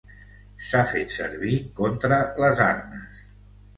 S'ha fet servir contra les arnes.